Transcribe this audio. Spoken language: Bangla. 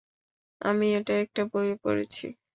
আমি এটা একটা বইয়ে পড়েছি।